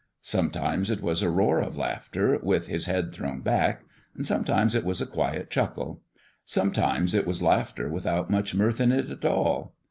Sometimes it was a roar of laughter, with his head thrown back ; sometimes it was a quiet chuckle ; sometimes it was laugh ter without much mirth in it, at all.